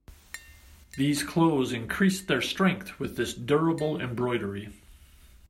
These clothes increased their strength with this durable embroidery.